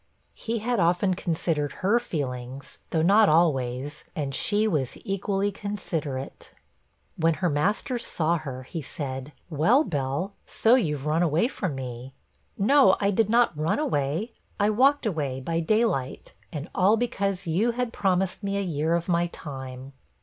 He had often considered her feelings, though not always, and she was equally considerate. When her master saw her, he said, 'Well, Bell, so you've run away from me.' 'No, I did not run away; I walked away by day light, and all because you had promised me a year of my time.'